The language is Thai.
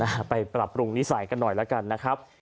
อ่าไปปรับปรุงนิสัยกันหน่อยแล้วกันนะครับ